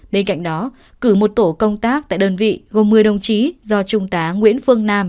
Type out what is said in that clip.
bên cạnh đó cử một tổ công tác tại đơn vị gồm một mươi đồng chí do trung tá nguyễn phương nam